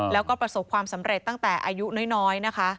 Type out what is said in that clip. แล้วก็ประสบความสำเร็จตั้งแต่อายุน้อยนะคะ